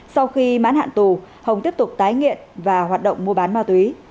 sau khi mãn hạn tù hồng tiếp tục tái nghiện và hoạt động mua bán ma túy